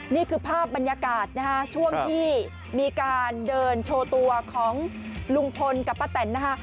นี่คือภาพบรรยากาศนะฮะช่วงที่มีการเดินโชว์ตัวของลุงพลกับป้าแตนนะคะ